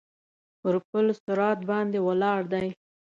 پر پل صراط باندې ولاړ دی.